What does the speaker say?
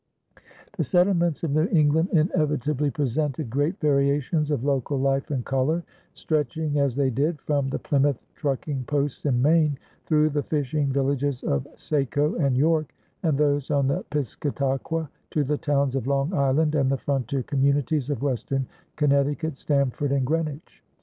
The settlements of New England inevitably presented great variations of local life and color, stretching as they did from the Plymouth trucking posts in Maine, through the fishing villages of Saco and York, and those on the Piscataqua, to the towns of Long Island and the frontier communities of western Connecticut Stamford and Greenwich.